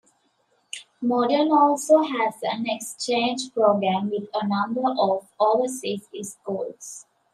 Modern also has an exchange program with a number of overseas schools.